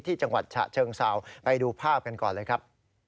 จังหวัดฉะเชิงเซาไปดูภาพกันก่อนเลยครับ